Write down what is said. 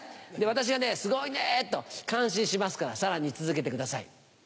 私が「すごいね」と感心しますからさらに続けてください。